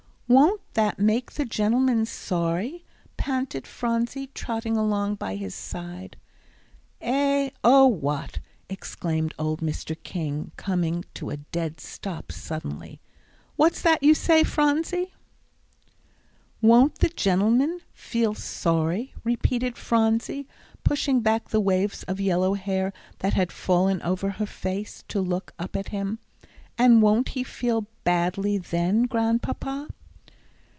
"Won't that make the gentleman sorry?" panted Phronsie, trotting along by his side. "Eh oh, what?" exclaimed old Mr. King, coming to a dead stop suddenly. "What's that you say, Phronsie?" "Won't the gentleman feel sorry?" repeated Phronsie, pushing back the waves of yellow hair that had fallen over her face, to look up at him. "And won't he feel badly then, Grandpapa?"